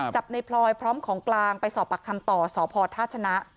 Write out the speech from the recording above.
จับในพลอยพร้อมของกลางไปสอบปากคำต่อสพท่าชนะ